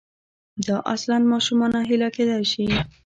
دا اصلاً ماشومانه هیله کېدای شي.